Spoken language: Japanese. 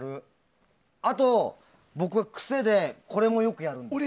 あと、僕は癖でこれよくやるんです。